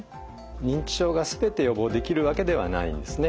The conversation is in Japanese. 認知症が全て予防できるわけではないんですね。